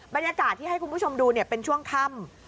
บรรยากาศที่ให้คุณผู้ชมดูเป็นช่วงค่ำ